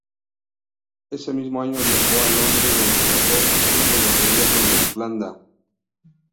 Ese mismo año viajó a Londres donde trató asuntos del gobierno de Irlanda.